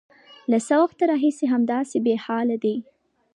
_له څه وخته راهيسې همداسې بېحاله دی؟